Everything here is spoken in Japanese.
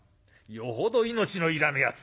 よほど命のいらぬやつ。